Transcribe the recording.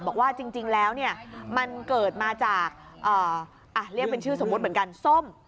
บอกว่าจริงแล้วเนี่ยมันเกิดมาจากเรียกเป็นชื่อสมมุติเหมือนกันส้ม